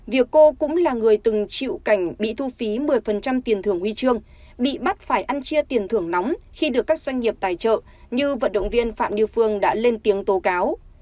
việc cô cũng là người từng chịu cảnh bị thu phí một mươi tiền thưởng huy chương bị bắt phải ăn chia tiền thưởng nóng khi được các doanh nghiệp tài trợ như vận động viên phạm như phương đã lên tiếng tố cáo